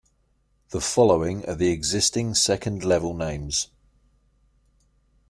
The following are the existing second level names.